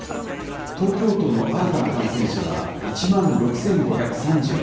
東京都の新たな感染者は１万６５３８人。